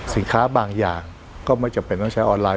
สินค้าบางอย่างก็ไม่จำเป็นต้องใช้ออนไลน